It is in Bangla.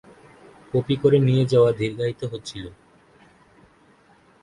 কপি করে নিয়ে যাওয়া দীর্ঘায়িত হচ্ছিলো।